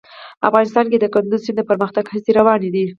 افغانستان کې د کندز سیند د پرمختګ هڅې روانې دي.